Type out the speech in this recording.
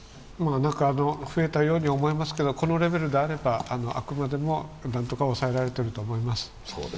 増えたように思いますけれども、このレベルであればあくまでもなんとか抑えられていると思います。